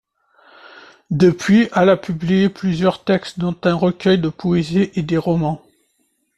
Depuis elle a publié plusieurs textes dont un recueil de poésie et des romans.